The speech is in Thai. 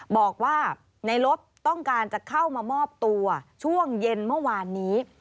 บอกว่าในลบต้องการจะเข้ามามอบตัวช่วงเย็นเมื่อวานนี้